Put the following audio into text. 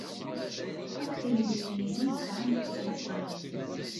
Akk timidiwin-inu sɛant tisnasɣalin.